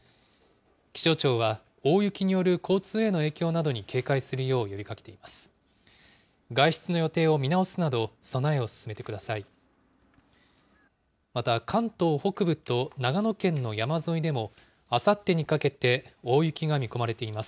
気象庁は、大雪による交通への影響などに警戒するよう呼びかけています。